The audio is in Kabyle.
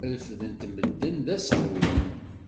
Refden-t medden d aseɣwen.